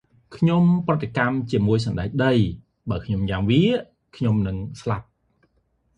ខ្ញុំប្រតិកម្មជាមួយសណ្ដែកដី។ បេីខ្ញុំញ៉ាំវា ខ្ញុំនឹងស្លាប់។